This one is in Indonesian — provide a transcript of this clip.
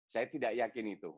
saya tidak yakin itu